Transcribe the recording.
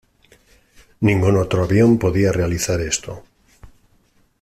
Ningún otro avión podía realizar esto.